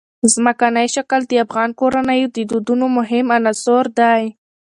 ځمکنی شکل د افغان کورنیو د دودونو مهم عنصر دی.